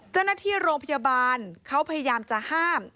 เจ้าหน้าที่โรงพยาบาลเขาพยายามจะห้าม